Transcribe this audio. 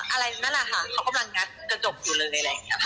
อะไรนั่นแหละค่ะเขากำลังงัดกระจกอยู่เลยอะไรอย่างนี้ค่ะ